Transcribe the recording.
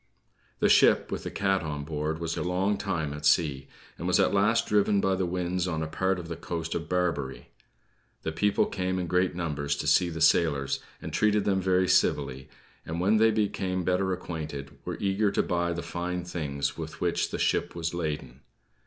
The ship, with the cat on board, was a long time at sea; and was at last driven by the winds on a part of the coast of Barbary. The people came in great numbers to see the sailors, and treated them very civilly; and, when they became better acquainted, were eager to buy the fine things with which the ship was laden.